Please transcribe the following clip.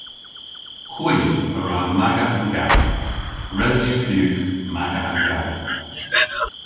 Hwi a wra maga an gath. Res yw dhywgh maga an gath.